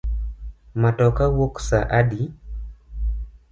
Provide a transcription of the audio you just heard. Matoka wuok sa adi?